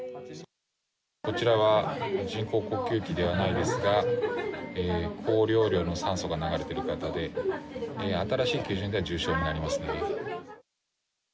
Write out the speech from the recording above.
こちらは、人工呼吸器ではないですが、高容量の酸素が流れている方で、新しい基準では重症になりますね。